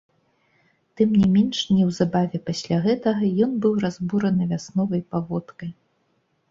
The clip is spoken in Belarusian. Тым не менш, неўзабаве пасля гэтага ён быў разбураны вясновай паводкай.